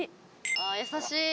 あ優しい。